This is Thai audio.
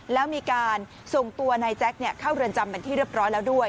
แล้วมีการส่งตัวนายแจ๊คเข้าเรือนจำเป็นที่เรียบร้อยแล้วด้วย